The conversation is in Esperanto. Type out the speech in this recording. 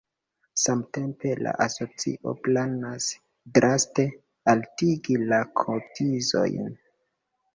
Samtempe la asocio planas draste altigi la kotizojn.